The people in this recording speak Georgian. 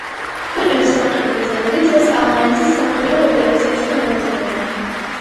ქვეყნის სამხედრო ძალები დღეს ავღანეთის სამხედრო ოპერაციებში მონაწილეობენ.